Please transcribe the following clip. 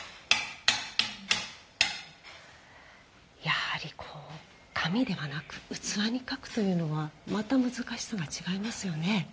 やはり、紙ではなく器に描くというのはまた難しさが違いますよね。